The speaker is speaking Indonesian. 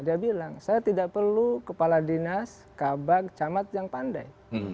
dia bilang saya tidak perlu kepala dinas kabak camat yang pandai